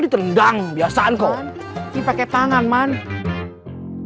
diterendang biasaan kok dipakai tangan makandar makandar makandar makandar makandar